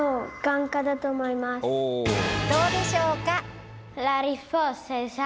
どうでしょうか？